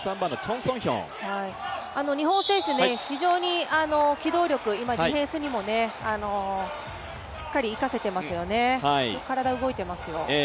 日本選手、機動力、ディフェンスにもしっかり生かせていますよね、体が動いてますよ。